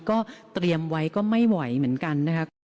ก็เตรียมไว้ก็ไม่ไหวเหมือนกันนะคะ